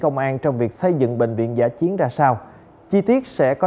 ngoài ra bệnh viện còn có nhiệm vụ